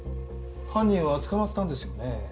犯人は捕まったんですよね？